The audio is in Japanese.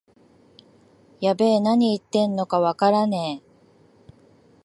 やべえ、なに言ってんのかわからねえ